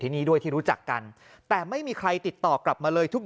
นี้ด้วยที่รู้จักกันแต่ไม่มีใครติดต่อกลับมาเลยทุก